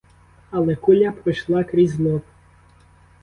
Але куля пройшла крізь лоб.